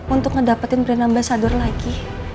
untuk ngedapetin berenambah sadur lagi